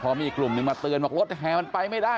พอมีอีกกลุ่มหนึ่งมาเตือนบอกรถแห่มันไปไม่ได้